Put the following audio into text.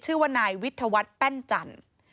ชื่อว่านายวิทยาวัฒน์แป้นจันทร์